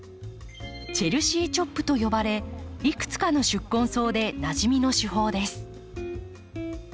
「チェルシー・チョップ」と呼ばれいくつかの宿根草でなじみの手法です。